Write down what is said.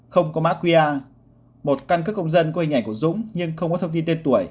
không có má quia một căn cứ công dân có hình ảnh của dũng nhưng không có thông tin tên tuổi